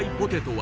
は